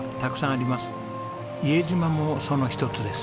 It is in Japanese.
伊江島もその一つです。